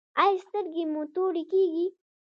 ایا سترګې مو تورې کیږي؟